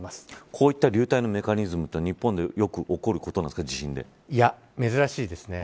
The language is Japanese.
こういった流体のメカニズムはよく起こることなんですかいや、珍しいですね。